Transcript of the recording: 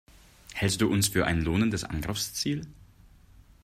Hältst du uns für ein lohnendes Angriffsziel?